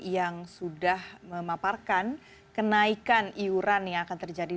yang sudah memaparkan kenaikan iuran yang akan terjadi